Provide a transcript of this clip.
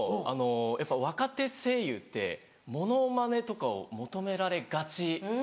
やっぱ若手声優ってモノマネとかを求められがちなんですよね。